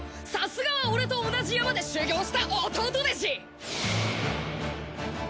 さすがは俺と同じ山で修行した弟弟子。